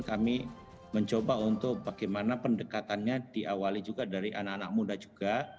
kami mencoba untuk bagaimana pendekatannya diawali juga dari anak anak muda juga